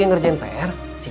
jadi aku gak mau pulang